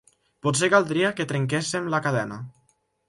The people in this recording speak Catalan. Potser caldria que trenquéssem la cadena.